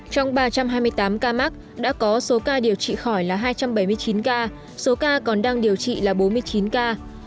trong ba trăm hai mươi tám ca mắc đã có số ca điều trị khỏi là hai trăm bảy mươi chín ca số ca còn đang điều trị là bốn mươi chín ca